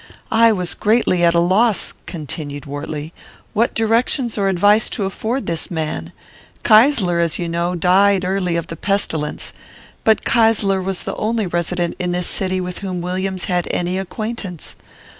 "I was greatly at a loss," continued Wortley, "what directions or advice to afford this man. Keysler, as you know, died early of the pestilence; but Keysler was the only resident in this city with whom Williams had any acquaintance.